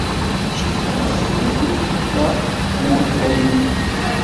Jebdent-d tfelwiyin-a lwelha-nnem?